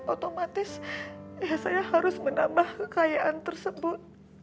otomatis saya harus menambah kekayaan tersebut